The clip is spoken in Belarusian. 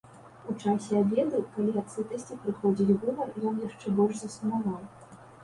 У часе абеду, калі ад сытасці прыходзіць гумар, ён яшчэ больш засумаваў.